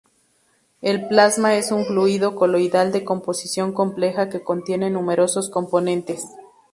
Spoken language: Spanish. El plasma es un fluido coloidal de composición compleja que contiene numerosos componentes.